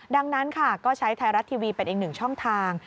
ดังนั้นค่ะก็ใช้ไทยรัฐทีวีเป็นอีกหนึ่งช่องทาง